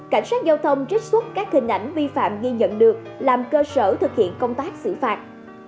cảnh sát giao thông trích xuất các hình ảnh vi phạm ghi nhận được làm cơ sở thực hiện công tác xử phạt